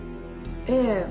ええ。